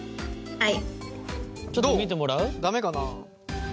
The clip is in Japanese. はい。